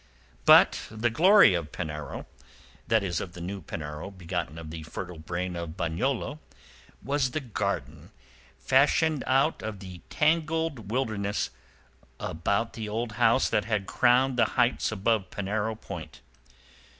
But the glory of Penarrow—that is, of the new Penarrow begotten of the fertile brain of Bagnolo—was the garden fashioned out of the tangled wilderness about the old house that had crowned the heights above Penarrow point.